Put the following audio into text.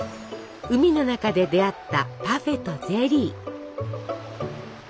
海の中で出会ったパフェとゼリー！